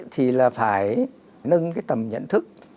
thì là phải nâng cái tầm nhận thức